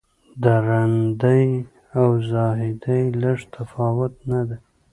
د رندۍ او زاهدۍ لږ تفاوت نه دی.